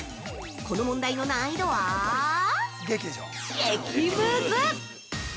この問題の難易度は激ムズ！